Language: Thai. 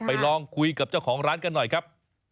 ลองคุยกับเจ้าของร้านกันหน่อยครับ